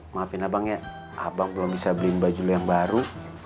maafin abangnya abang belum bisa beli baju lo yang baru